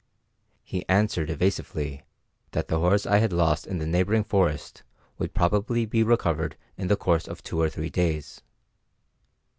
He answered evasively that the horse I had lost in the neighbouring forest would probably be recovered in the course of two or three days.